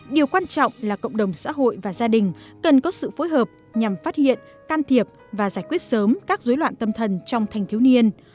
điều quan trọng là cộng đồng xã hội và gia đình cần có sự phối hợp nhằm phát hiện can thiệp và giải quyết sớm các dối loạn tâm thần trong thanh thiếu niên